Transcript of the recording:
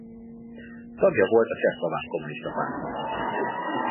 Tagja volta Csehszlovák Kommunista Pártnak.